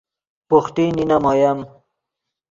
بوخٹی نینم اویم